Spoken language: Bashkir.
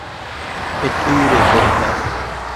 Эт өйөрө берекмәҫ.